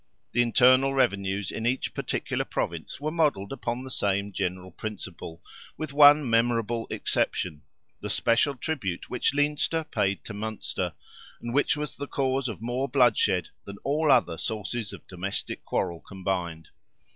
The internal revenues in each particular Province were modelled upon the same general principle, with one memorable exception—the special tribute which Leinster paid to Munster—and which was the cause of more bloodshed than all other sources of domestic quarrel combined.